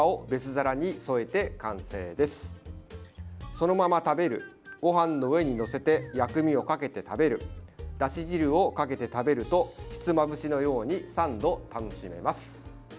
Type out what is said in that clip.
そのまま食べるごはんの上に載せて薬味をかけて食べるだし汁をかけて食べるとひつまぶしのように３度楽しめます。